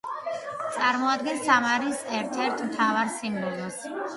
წარმოადგენს სამარის ერთ-ერთ მთავარ სიმბოლოს.